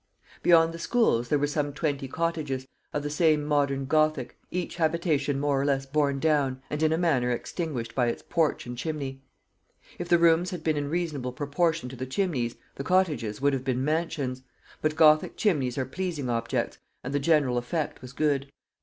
Beyond the schools there were some twenty cottages, of the same modern gothic, each habitation more or less borne down and in a manner extinguished by its porch and chimney. If the rooms had been in reasonable proportion to the chimneys, the cottages would have been mansions; but gothic chimneys are pleasing objects, and the general effect was good.